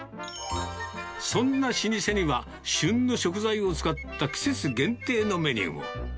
そんな老舗には、旬の食材を使った季節限定のメニューも。